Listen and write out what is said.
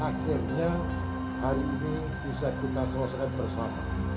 akhirnya hari ini bisa kita selesaikan bersama